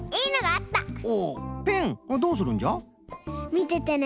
みててね。